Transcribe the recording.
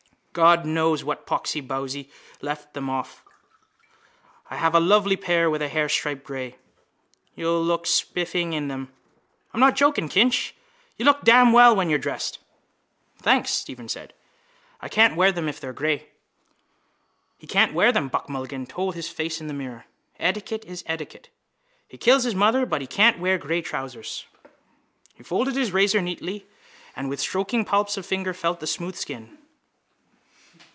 God knows what poxy bowsy left them off. I have a lovely pair with a hair stripe, grey. You'll look spiffing in them. I'm not joking, Kinch. You look damn well when you're dressed. —Thanks, Stephen said. I can't wear them if they are grey. —He can't wear them, Buck Mulligan told his face in the mirror. Etiquette is etiquette. He kills his mother but he can't wear grey trousers. He folded his razor neatly and with stroking palps of fingers felt the smooth skin.